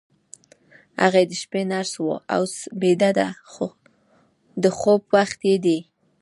هغه د شپې نرس وه، اوس بیده ده، د خوب وخت یې دی.